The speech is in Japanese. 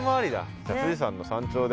じゃあ富士山の山頂で。